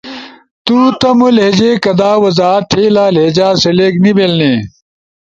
تو تمو لہجے کدا وضاحت تھئیلا، لہجہ سلیکٹ نی بیلنی